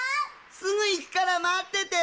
すぐいくからまってて！